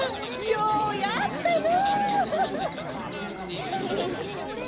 ようやったな！